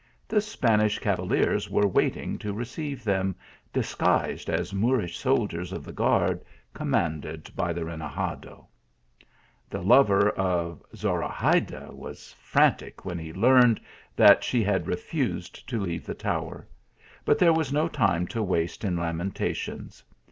The Spanish cavaliers were waiting to receive them, THREE BEAUTIFUL PRINCESSES. 153 disguised as Moorish soldiers of the guard com manded by the renegade. The lover of Zorahayda was frantic when he learned that she had refused to leave the tower; but there was no time to waste in lamentations.